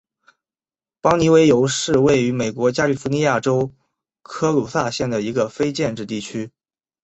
邦妮维尤是位于美国加利福尼亚州科卢萨县的一个非建制地区。